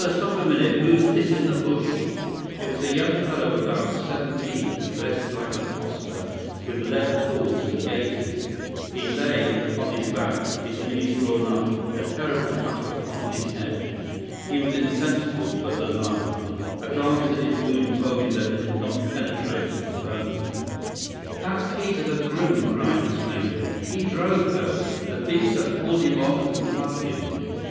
Stop a minute! Who's this in the bush?" It was a young fellow about seventeen, dressed like an ostler, with leather cords and gaiters. He lay upon his back, his knees drawn up, a terrible cut upon his head. He was insensible, but alive. A glance at his wound told me that it had not penetrated the bone. "That's Peter, the groom," cried the stranger. "He drove her. The beasts have pulled him off and clubbed him.